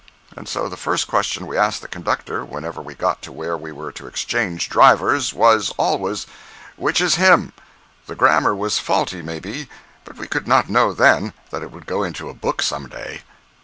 And so the first question we asked the conductor whenever we got to where we were to exchange drivers, was always, "Which is him?" The grammar was faulty, maybe, but we could not know, then, that it would go into a book some day.